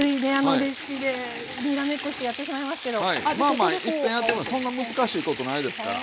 まあまあいっぺんやってそんな難しいことないですから。